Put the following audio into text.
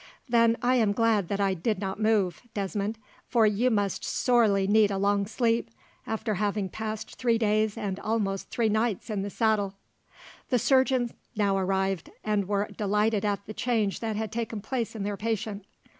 "Then I am glad that I did not move, Desmond, for you must sorely need a long sleep, after having passed three days and almost three nights in the saddle." The surgeons now arrived, and were delighted at the change that had taken place in their patient.